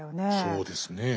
そうですね。